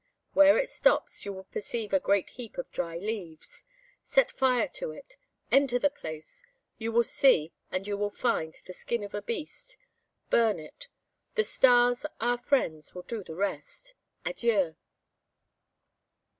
Where it stops you will perceive a great heap of dry leaves; set fire to it, enter the place; you will see and you will find the skin of a beast; burn it. The stars, our friends, will do the rest. Adieu!"